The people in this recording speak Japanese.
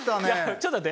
ちょっと待って。